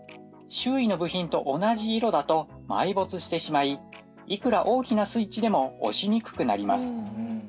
周囲の部品と同じ色だと埋没してしまいいくら大きなスイッチでも押しにくくなります。